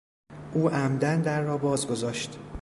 او عمدا در را باز گذاشت.